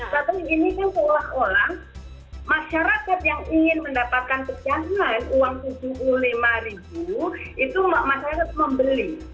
tapi ini kan seolah olah masyarakat yang ingin mendapatkan pecahan uang rp tujuh puluh lima itu masyarakat membeli